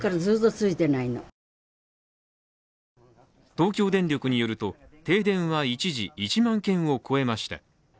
東京電力によると、停電は一時１万軒を超えました。